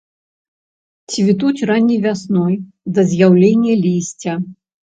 Цвітуць ранняй вясной, да з'яўлення лісця.